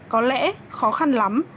có lẽ khó khăn lắm